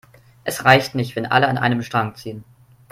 Es reicht nicht, wenn alle an einem Strang ziehen.